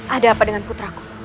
ada apa dengan putraku